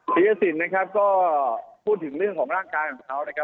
ปียสินนะครับก็พูดถึงเรื่องของร่างกายของเขานะครับ